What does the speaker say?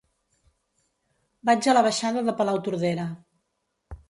Vaig a la baixada de Palautordera.